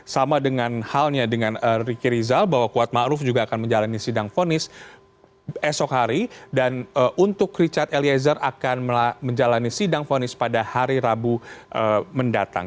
sama dengan halnya dengan riki rizal bahwa kuat ⁇ maruf ⁇ juga akan menjalani sidang fonis esok hari dan untuk richard eliezer akan menjalani sidang fonis pada hari rabu mendatang